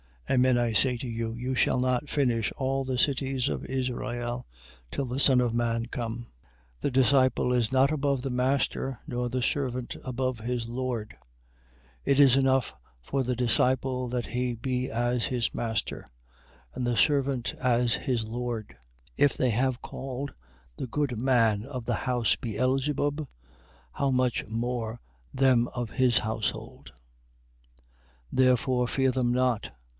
Amen I say to you, you shall not finish all the cities of Israel, till the Son of man come. 10:24. The disciple is not above the master, nor the servant above his lord. 10:25. It is enough for the disciple that he be as his master, and the servant as his lord. If they have called the good man of the house Beelzebub, how much more them of his household? 10:26. Therefore fear them not.